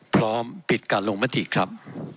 พร้อมปิดการลงมติครับ